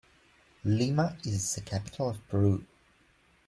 Lima is the capital of Peru.